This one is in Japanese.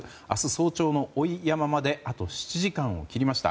早朝の追い山笠まであと７時間を切りました。